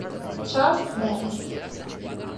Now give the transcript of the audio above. Charles Bennett